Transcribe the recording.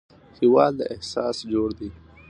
هېواد له احساس جوړ دی